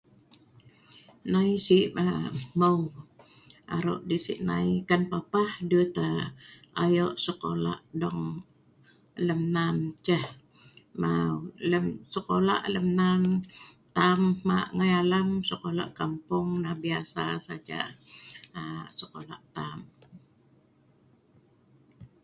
Nai si aa hmeu aro' deh Sinai, kan papah dut aa ayo' sekolah dong lem nan ceh. Mau lem sekolah lem nan tam hma' ngai alam sekolah kampung nah, biasa saja aa sekolah tam.